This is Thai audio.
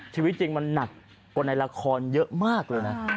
ชีวิตจริงมันหนักกว่าในละครเยอะมากเลยนะ